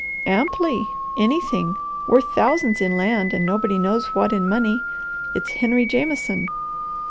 "Amply. Anything! Worth thousands in land and nobody knows what in money. It's Henry Jameson."